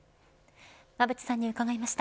馬渕さんに伺いました。